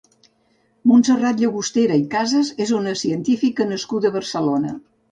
Montserrat Llagostera i Casas és una científica nascuda a Barcelona.